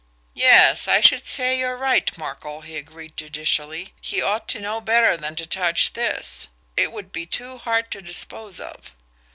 "Yes, I should say you're right, Markel," he agreed judicially. "He ought to know better than to touch this. It it would be too hard to dispose of."